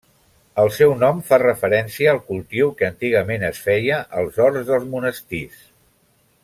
El seu nom fa referència al cultiu que antigament es feia als horts dels monestirs.